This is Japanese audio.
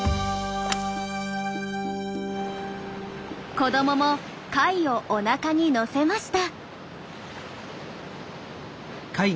子どもも貝をおなかにのせました。